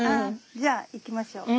じゃあ行きましょう。